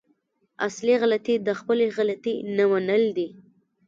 اصلي غلطي د خپلې غلطي نه منل دي.